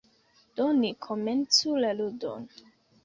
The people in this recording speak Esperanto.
Do, ni komencu la ludon.